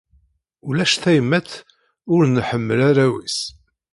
Ulac tayemmat ur nḥemmel arraw-is.